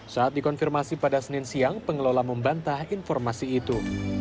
saat dikonfirmasi pada senin siang pengelola membantah informasi itu